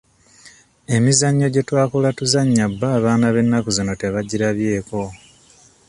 Emizannyo gye twakula tuzannya bbo abaana b'ennaku zino tebagirabyeko.